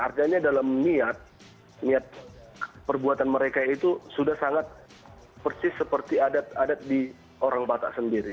artinya dalam niat niat perbuatan mereka itu sudah sangat persis seperti adat adat di orang batak sendiri